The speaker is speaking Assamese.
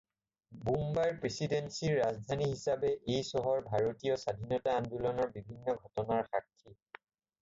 বোম্বাই প্ৰেচিডেন্সিৰ ৰাজধানী হিচাপে এই চহৰ ভাৰতীয় স্বাধীনতা আন্দোলনৰ বিভিন্ন ঘটনাৰ সাক্ষী।